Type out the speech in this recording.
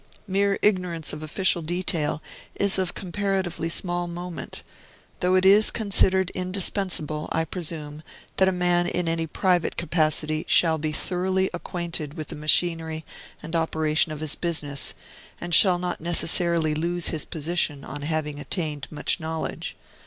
Mere ignorance of official detail is of comparatively small moment; though it is considered indispensable, I presume, that a man in any private capacity shall be thoroughly acquainted with the machinery and operation of his business, and shall not necessarily lose his position on having attained such knowledge.